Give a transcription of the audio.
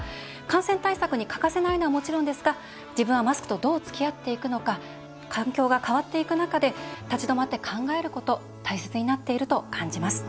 感染対策に欠かせないのはもちろんですが自分はマスクとどうつきあっていくのか環境が変わっていく中で立ち止まって考えること大切になっていると感じます。